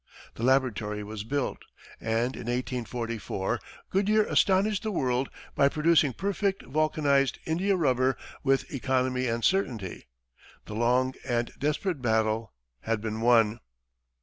The laboratory was built, and in 1844, Goodyear astonished the world by producing perfect vulcanized India rubber with economy and certainty. The long and desperate battle had been won!